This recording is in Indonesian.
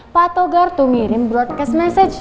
pak togar tuh ngirim broadcast message